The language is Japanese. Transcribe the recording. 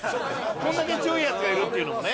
これだけ強いヤツがいるっていうのもね。